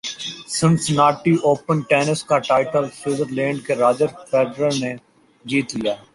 Cincinnati Open tennis کا title Switzerland کے Roger Federer نے جیت لیا